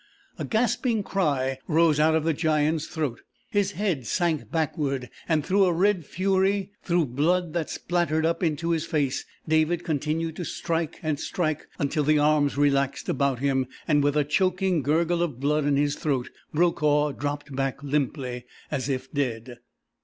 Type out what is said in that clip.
A gasping cry rose out of the giant's throat, his head sank backward and through a red fury, through blood that spattered up into his face, David continued to strike until the arms relaxed about him, and with a choking gurgle of blood in his throat, Brokaw dropped back limply, as if dead.